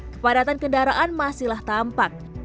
kepadatan kendaraan masihlah tampak